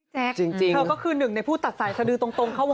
แจ๊คเขาก็คือหนึ่งในผู้ตัดสายสดือตรงเข้าวงการเหรอ